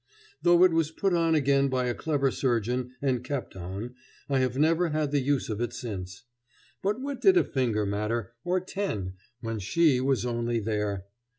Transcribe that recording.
Though it was put on again by a clever surgeon and kept on, I have never had the use of it since. But what did a finger matter, or ten, when she was only there!